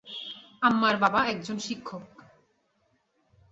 আম্মার বাবা একজন শিক্ষক।